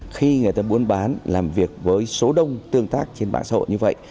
khi người ta muốn bán làm việc với số đông tương tác trên mạng xã hội như vậy